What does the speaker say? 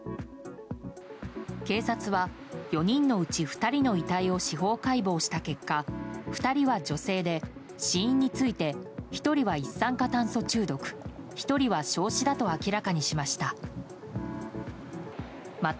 警察は、４人のうち２人の遺体を司法解剖した結果２人は女性で、死因について１人は一酸化炭素中毒１人は焼死だと明らかにしました。